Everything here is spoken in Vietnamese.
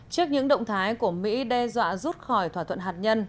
trước những động thái của mỹ đe dọa rút khỏi thỏa thuận hạt nhân